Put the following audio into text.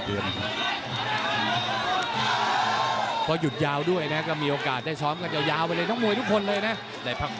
เพราะหยุดเพราะหยุดยาวด้วยนะก็มีโอกาสได้ซ้อมกันยาวไปเลยทั้งมวยทุกคนเลยนะ